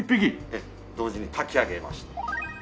同時に炊き上げまして。